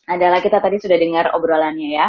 adalah kita tadi sudah dengar obrolannya ya